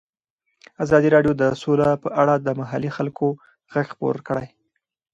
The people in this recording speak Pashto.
ازادي راډیو د سوله په اړه د محلي خلکو غږ خپور کړی.